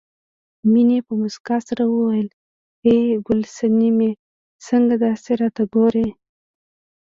مينې په مسکا سره وویل ای ګل سنمې څنګه داسې راته ګورې